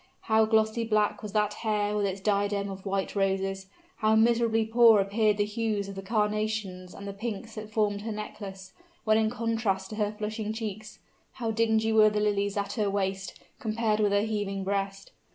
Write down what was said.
How glossy black was that hair with its diadem of white roses! How miserably poor appeared the hues of the carnations and the pinks that formed her necklace, when in contrast with her flushing cheeks! How dingy were the lilies at her waist, compared with her heaving breast!